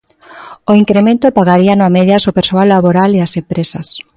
O incremento pagaríano a medias o persoal laboral e as empresas.